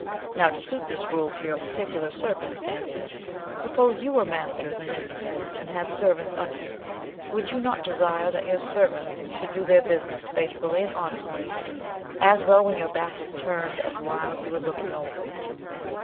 "Now, to suit this rule to your particular circumstances, suppose you were masters and mistresses, and had servants under you, would you not desire that your servants should do their business faithfully and honestly, as well when your back was turned as while you were looking over them?